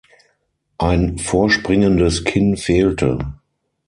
Ein vorspringendes Kinn fehlte.